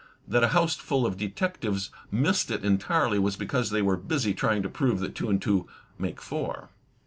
That a houseful of detectives missed it entirely was because they were busy trjring to prove that two and two make four.